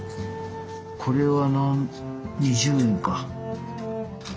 これは２０円か。